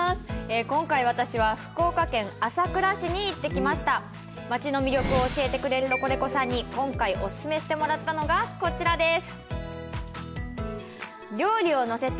今回私は福岡県朝倉市に行ってきました街の魅力を教えてくれるロコレコさんに今回オススメしてもらったのがこちらです